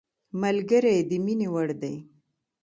ملګری د مینې وړ دی